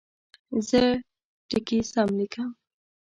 زه ټکي سم لیکم.